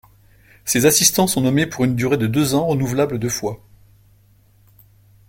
Ces assistants sont nommés pour une durée de deux ans renouvelable deux fois.